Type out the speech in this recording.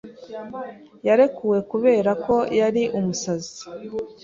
Yarekuwe kubera ko yari umusazi.